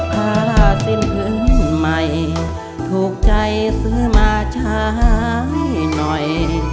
ผ้าสิ้นพื้นใหม่ถูกใจซื้อมาใช้หน่อย